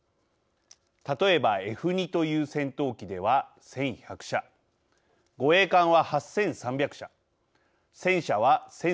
例えばＦ−２という戦闘機では１，１００社護衛艦は８，３００社戦車は１，３００社です。